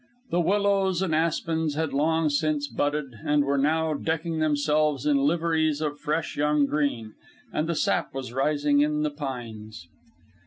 The willows and aspens had long since budded, and were now decking themselves in liveries of fresh young green, and the sap was rising in the pines.